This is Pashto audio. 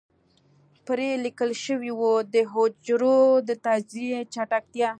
پرې ليکل شوي وو د حجرو د تجزيې چټکتيا.